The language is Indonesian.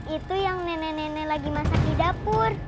itu yang nenek nenek lagi masak di dapur